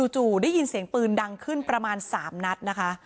จู่ได้ยินเสียงปืนดังขึ้นประมาณ๓นัดนะคะ